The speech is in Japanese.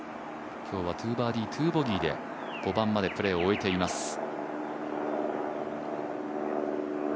今日は２バーディー、２ボギーで５番までプレーを終えています。